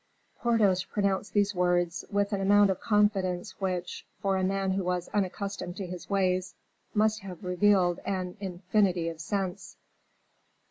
Porthos pronounced these words with an amount of confidence which, for a man who was unaccustomed to his ways, must have revealed an infinity of sense.